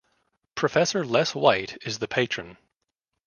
Professor Les White is the Patron.